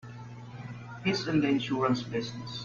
He's in the insurance business.